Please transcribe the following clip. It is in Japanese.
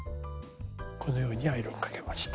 このようにアイロンかけました。